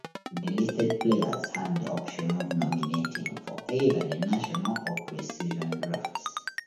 Delisted players had the option of nominating for either the national or pre-season drafts.